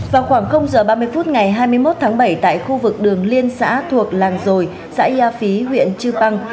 vào khoảng h ba mươi phút ngày hai mươi một tháng bảy tại khu vực đường liên xã thuộc làng rồi xã yà phí huyện chư păng